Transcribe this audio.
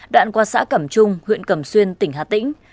đoạn qua xã cẩm trung huyện cẩm xuyên tỉnh hà tĩnh